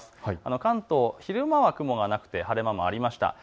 関東昼間は雲がなくて晴れ間もありました。